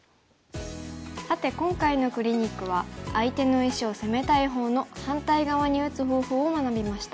さて今回のクリニックは相手の石を攻めたい方の反対側に打つ方法を学びました。